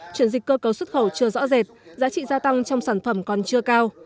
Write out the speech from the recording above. chuyển dịch cơ cấu xuất khẩu chưa rõ rệt giá trị gia tăng trong sản phẩm còn chưa cao